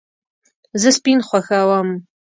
زه سپین خوښوم